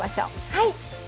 はい。